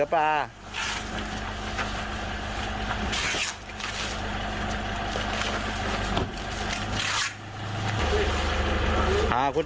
ศพที่สอง